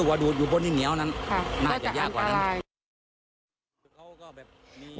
หัวดูดอยู่บนดินเหนียวนั้นน่าจะยากกว่านั้น